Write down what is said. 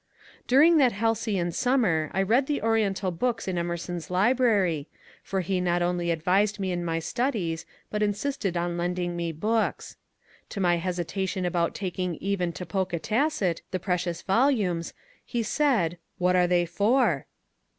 During that halcyon summer I read the Oriental books in Emerson's library, for he not only advised me in my studies but insisted on lending me books. To my hesitation about taking even to Ponkatasset the precious volumes, he said, ^^ What are they for